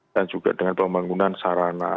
dan juga dengan pembangunan sarana